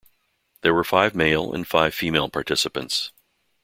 There were five male and five female participants.